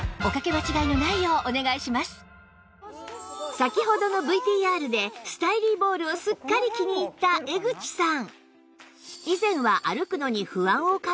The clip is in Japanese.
先ほどの ＶＴＲ でスタイリーボールをすっかり気に入った江口さん